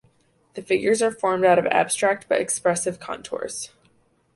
The figures are formed out of abstract but expressive contours.